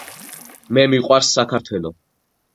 მე მიყვარს საქართველი